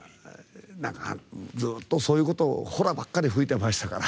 ずっと、そういうことホラばっかり吹いてましたから。